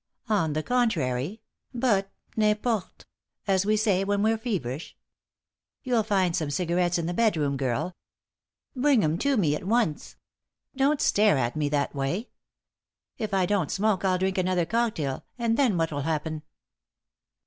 On the contrary but n'importe, as we say when we're feverish. You'll find some cigarettes in the bedroom, girl. Bring 'em to me at once. Don't stare at me that way! If I don't smoke I'll drink another cocktail, and then what'll happen?"